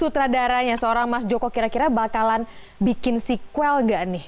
sutradaranya seorang mas joko kira kira bakalan bikin sequel gak nih